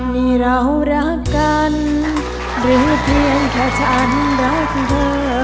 นี่เรารักกันหรือเพียงแค่ฉันรักเธอ